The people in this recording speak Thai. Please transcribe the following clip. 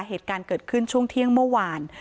เหตุการณ์เกิดขึ้นช่วงเที่ยงเมื่อวาน